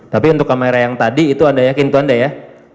tapi untuk kamera yang tadi itu anda yakin itu anda ya